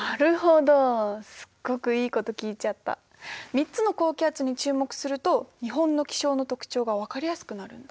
３つの高気圧に注目すると日本の気象の特徴が分かりやすくなるんだ。